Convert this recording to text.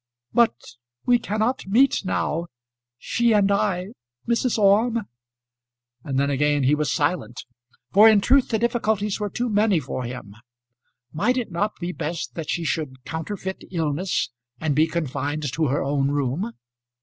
"But we cannot meet now. She and I; Mrs. Orme?" And then again he was silent; for in truth the difficulties were too many for him. Might it not be best that she should counterfeit illness and be confined to her own room?